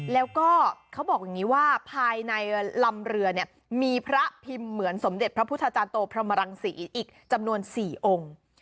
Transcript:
แล้วก็เขาบอกอย่างนี้ว่าภายในลำเรือเนี่ยมีพระพิมพ์เหมือนสมเด็จพระพุทธาจารย์โตพรมรังศรีอีกจำนวน๔องค์